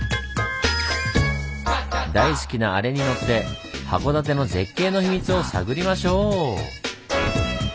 大好きなアレに乗って函館の絶景の秘密を探りましょう！